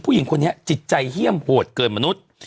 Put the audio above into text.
ผู้หญิงคนนี้จิตใจเฮี่ยมโหดเกินมนุษย์